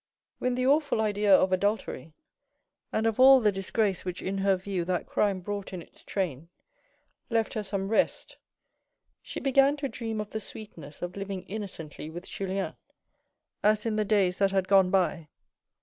When the awful idea of adultery, and of all the disgrace which in her view that crime brought in its train, left her some rest, she began to dream of the sweetness of living innocently with Julien as in the days that had gone by.